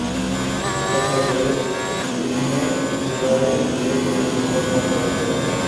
উল্লেখ্য যে, ইবন জুরায়জের এ ব্যাপারে মতভেদ রয়েছে।